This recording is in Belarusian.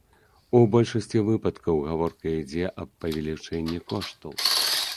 У большасці выпадкаў гаворка ідзе аб павелічэнні коштаў.